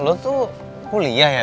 lo tuh kuliah ya